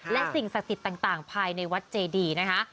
และสิ่งศักดิ์สิทธิ์ต่างภายในวัดเจดีนะคะ